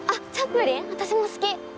私も好き！